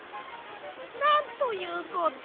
なんということ。